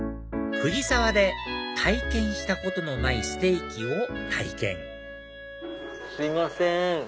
藤沢で体験したことのないステーキを体験すいません。